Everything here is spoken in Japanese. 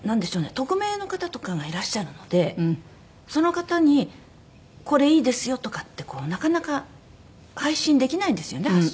匿名の方とかがいらっしゃるのでその方にこれいいですよとかってなかなか配信できないんですよね発信。